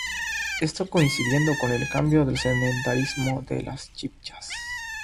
Esto coincidiendo con el cambio al sedentarismo de los chibchas.